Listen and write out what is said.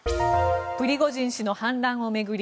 プリゴジン氏の反乱を巡り